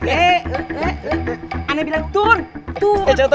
eh jangan terlalu jangan terlalu